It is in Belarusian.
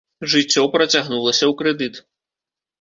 Жыццё працягнулася ў крэдыт.